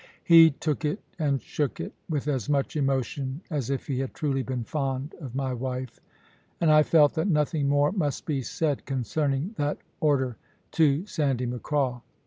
He took it, and shook it, with as much emotion as if he had truly been fond of my wife; and I felt that nothing more must be said concerning that order to Sandy Macraw.